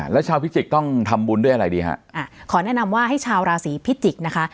แล้วชาวพิจิกษ์ต้องทำบุญด้วยอะไรดีฮะอ่าขอแนะนำว่าให้ชาวราศีพิจิกษ์นะคะ